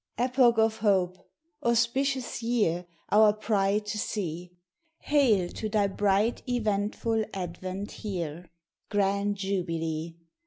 Epoch of hope! Auspicious year; Our pride to see; Hail to thy bright eventful advent here Grand Jubilee!